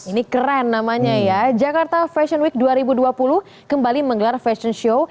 ini keren namanya ya jakarta fashion week dua ribu dua puluh kembali menggelar fashion show